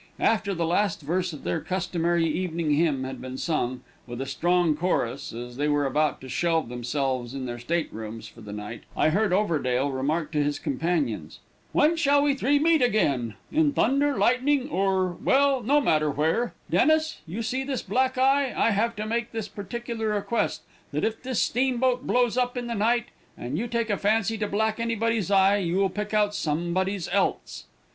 After the last verse of their customary evening hymn had been sung, with a strong chorus, as they were about to shelve themselves in their state rooms for the night, I heard Overdale remark to his companions: "When shall we three meet again? In thunder, lightning, or well, no matter where. Dennis, you see this black eye; I have to make this particular request, that if this steamboat blows up in the night, and you take a fancy to black anybody's eye, you'll pick out somebody's else."